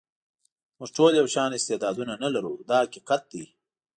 موږ ټول یو شان استعدادونه نه لرو دا حقیقت دی.